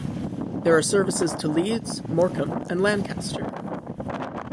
There are services to Leeds, Morecambe and Lancaster.